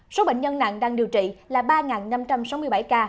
số bệnh nhân nặng đang điều trị là ba năm trăm sáu mươi bảy ca